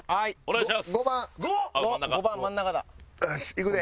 いくで？